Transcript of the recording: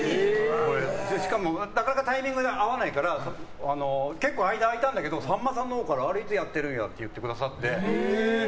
しかもタイミング合わないから結構間が空いたんだけどさんまさんのほうからあれいつやってるんやって言ってくださって。